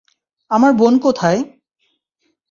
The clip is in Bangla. আমার বোন কোথায়?